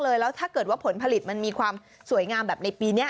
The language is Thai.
แล้วถ้าเกิดว่าผลผลิตมันมีความสวยงามแบบในปีนี้